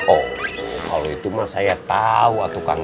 oh kalau itu mah saya tau